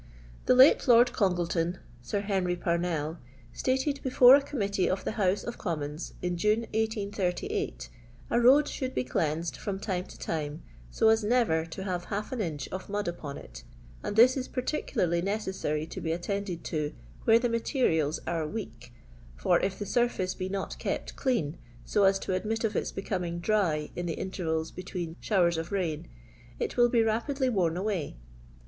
''Tho late Lord Congleton (Sir Henry Par ndl) stated before a Committee of the House of Cmnmons, in June, 1888, 'a road should be deansed from time to time, so as never to have hstf an inch of mud upon it ; and this is particuhirly neeesHiy to be attended to where the materials ■re wiok; for, if the surfifioe be not kept clean, so M to admit of its becoming dry in the intervals between showers of rain, it will be rapidly worn away.'